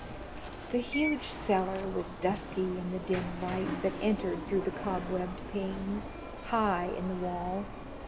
The huge cellar was dusky in the dim light that entered through the cobwebbed panes, high in the wall.